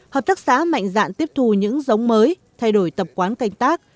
hợp tác xã mạnh dạn tiếp thu những giống mới thay đổi tập quán canh tác